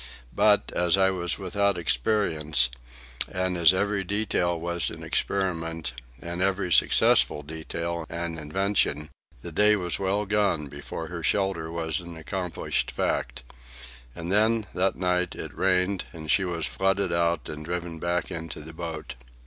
But as I was without experience, and as every detail was an experiment and every successful detail an invention, the day was well gone before her shelter was an accomplished fact. And then, that night, it rained, and she was flooded out and driven back into the boat.